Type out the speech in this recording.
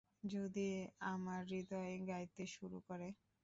যদি আমার হৃদয় গাইতে শুরু করে।